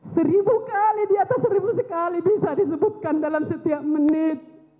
seribu kali di atas seribu sekali bisa disebutkan dalam setiap menit